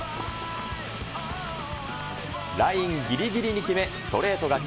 ラインぎりぎりに決め、ストレート勝ち。